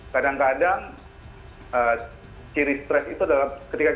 kadang kadang ciri stres itu adalah ketika kita